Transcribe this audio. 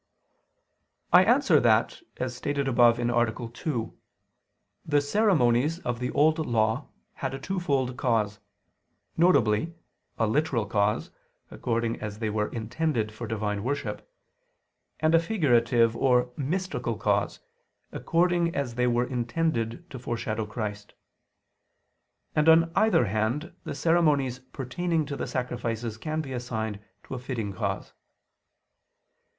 I answer that, As stated above (A. 2), the ceremonies of the Old Law had a twofold cause, viz. a literal cause, according as they were intended for Divine worship; and a figurative or mystical cause, according as they were intended to foreshadow Christ: and on either hand the ceremonies pertaining to the sacrifices can be assigned to a fitting cause.